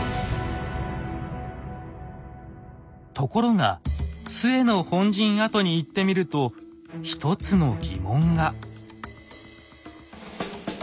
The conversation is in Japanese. ところが陶の本陣跡に行ってみると一つの疑問が。